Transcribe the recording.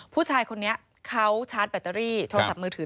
ผู้ชายคนนี้เขาชาร์จแบตเตอรี่โทรศัพท์มือถือ